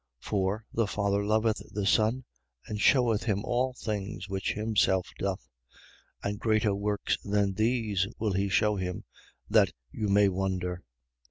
5:20. For the Father loveth the Son and sheweth him all things which himself doth: and greater works than these will he shew him, that you may wonder.